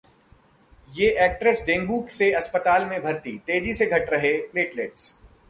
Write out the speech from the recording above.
ये actress dengue से अस्पताल में भर्ती, तेजी से घट रहे प्लेटलेट्स